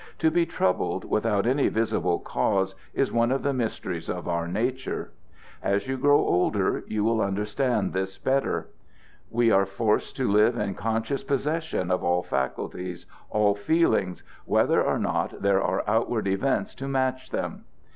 "To be troubled without any visible cause is one of the mysteries of our nature. As you grow older you will understand this better. We are forced to live in conscious possession of all faculties, all feelings, whether or not there are outward events to match them.